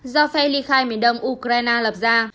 do phe ly khai miền đông ukraine lập ra